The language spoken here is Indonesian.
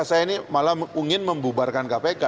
saya ini malah ingin membubarkan kpk